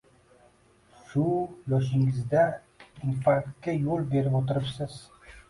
Shu yoshingizda infarktga yo‘l berib o‘tiribsiz